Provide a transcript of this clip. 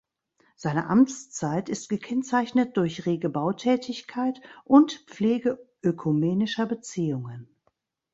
Seine Amtszeit ist gekennzeichnet durch rege Bautätigkeit und Pflege ökumenischer Beziehungen.